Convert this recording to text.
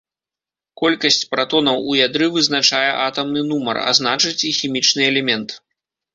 Колькасць пратонаў у ядры вызначае атамны нумар, а значыць і хімічны элемент.